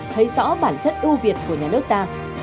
thấy rõ bản chất ưu việt của nhà nước ta